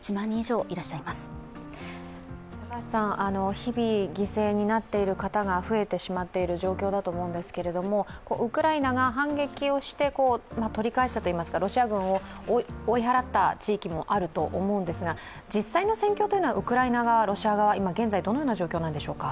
日々、犠牲になっている方が増えてしまっている状況だと思うんですけれども、ウクライナが反撃をして取り返したといいますかロシア軍を追い払った地域もあると思うんですが、実際の戦況というのはウクライナ側、ロシア側、今現在、どのような状況なんでしょうか。